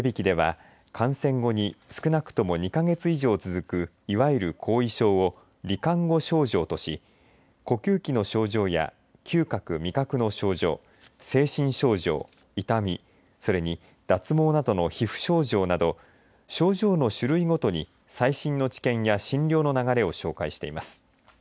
手引きでは感染後に少なくとも２か月以上続くいわゆる後遺症をり患後症状とし呼吸器の症状や嗅覚、味覚の症状精神症状、痛みそれに脱毛などの皮膚症状など症状の種類ごとに最新の知見や診療の流れを紹介しています。